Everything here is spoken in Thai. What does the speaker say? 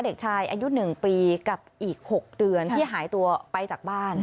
เด็กชายอายุ๑ปีกับอีก๖เดือนที่หายตัวไปจากบ้าน